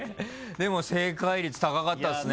でも正解率高かったっすね。